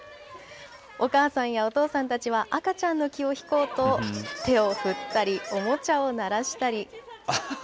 お母さんやお父さんたちは、赤ちゃんの気を引こうと、手を振ったり、おもちゃを鳴らしたり。